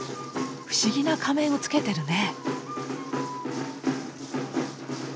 不思議な仮面をつけてるね。